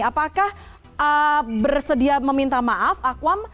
apakah bersedia meminta maaf akwam